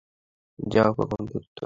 যাও এখন, পূত্র!